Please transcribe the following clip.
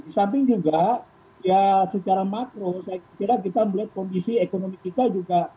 di samping juga ya secara makro saya kira kita melihat kondisi ekonomi kita juga